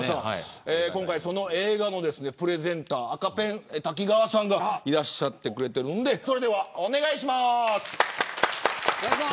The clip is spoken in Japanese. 今回、その映画のプレゼンター赤ペン瀧川さんがいらっしゃっていますのでお願いします。